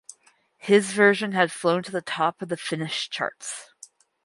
His version had flown to the top of the Finnish charts.